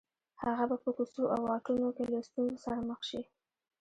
هغه به په کوڅو او واټونو کې له ستونزو سره مخ شي